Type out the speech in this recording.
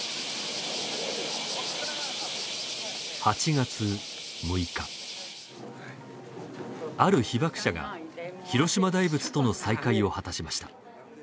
８月６日、ある被爆者が広島大仏との再会を果たしました。